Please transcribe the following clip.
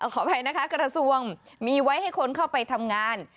ขออภัยนะคะกระทรวงมีไว้ให้คนเข้าไปทำงาน